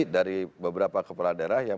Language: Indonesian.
dari beberapa kepala daerah yang